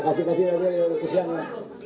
kasih kasih ya kesiannya